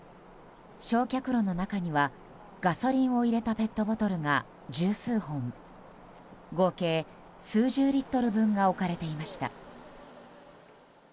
焼却炉の中にはガソリンを入れたペットボトルが十数本合計数十リットル分が置かれていました。